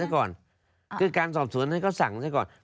ก็การสอบสวนให้สั่งให้ก่อนก็เลยใช่ค่ะ